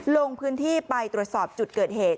ลงพื้นที่ไปตรวจสอบจุดเกิดเหตุ